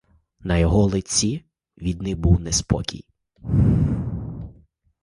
На його лиці видний був неспокій.